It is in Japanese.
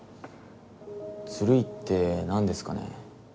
ずるいって何ですかね。